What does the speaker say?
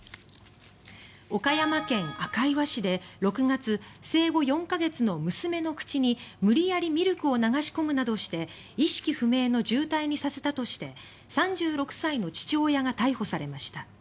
岡山県赤磐市で６月生後４か月の娘の口に無理やりミルクを流し込むなどして意識不明の重体にさせたとして３６歳の父親が逮捕されました。